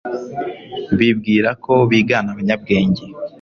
bibwira ko bigana abanyabwenge